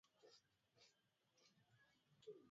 alichaguliwa kujiunga kidato cha kwanza katika shule ya Ufundi